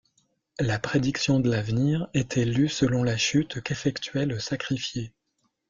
La prédiction de l'avenir était lue selon la chute qu'effectuait le sacrifié.